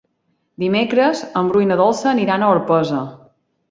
Dimecres en Bru i na Dolça aniran a Orpesa.